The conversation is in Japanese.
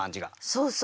そうそう。